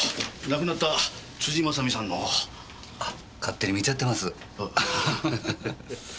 亡くなった辻正巳さんの。あっ勝手に見ちゃってます。